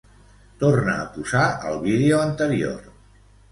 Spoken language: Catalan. Torna a posar el vídeo anterior.